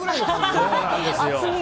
そうなんですよ。